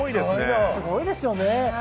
すごいですよね。